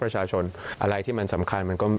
ประชาชนอะไรที่มันสำคัญมันก็